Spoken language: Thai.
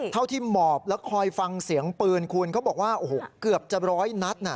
เท่าที่หมอบแล้วคอยฟังเสียงปืนคุณเขาบอกว่าโอ้โหเกือบจะร้อยนัดน่ะ